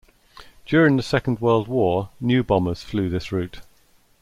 During the Second World War, new bombers flew this route.